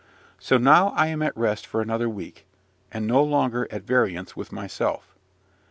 So now I am at rest for another week, and no longer at variance with myself.